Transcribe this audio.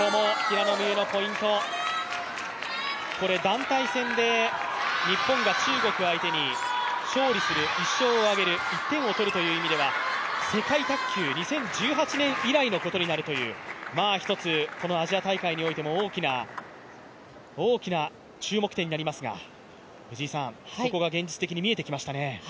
団体戦で、日本が中国相手に勝利する、１勝を上げる、１点を取るという意味では世界卓球２０１８年以来のことになるという、一つ、このアジア大会においても、大きな大きな注目点になりますが、そこが現実的に見えてきましたね。